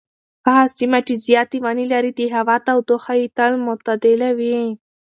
هغه سیمه چې زیاتې ونې لري د هوا تودوخه یې تل معتدله وي.